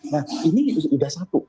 nah ini sudah satu